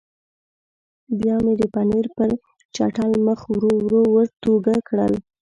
بیا مې د پنیر پر چټل مخ ورو ورو ورتوږه کړل.